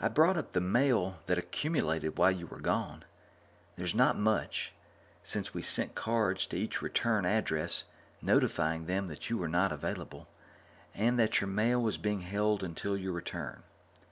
"I brought up the mail that accumulated while you were gone. There's not much, since we sent cards to each return address, notifying them that you were not available and that your mail was being held until your return."